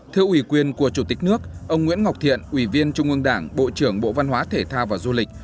thưa ủy quyền của chủ tịch nước ông nguyễn ngọc thiện ủy viên trung ương đảng bộ trưởng bộ văn hóa thể thao và du lịch